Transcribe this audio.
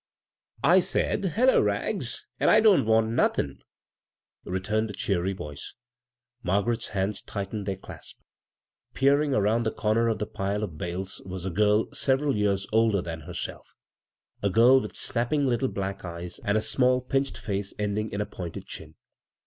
" I said ' Hullo, Rags,' an' I don't want nothinV' returned a cheery voice. Margaret's hands tightened thdr clasp. Peering around the comer of the pile of bales was a girl several years older than herself — a girl with snapping little Mack eyes, and a small pinched ia.cc ending in a painted chin.